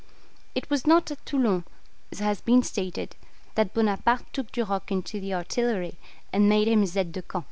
It was not at Toulon, as has been stated, that Bonaparte took Duroc into the artillery, and made him his 'aide de camp'.